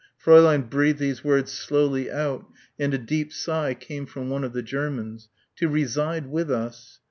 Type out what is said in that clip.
Fräulein breathed these words slowly out and a deep sigh came from one of the Germans, "to reside with us.